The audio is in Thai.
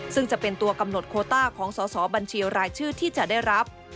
ซึ่งจะเป็นตัวกำหนดโคต้าของสอสอบัญชีรายชื่อที่จะได้รับ